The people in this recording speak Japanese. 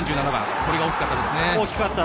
これが大きかったですね。